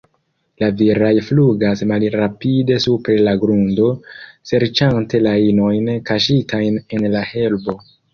La viraj flugas malrapide super la grundo, serĉante la inojn kaŝitajn en la herbo.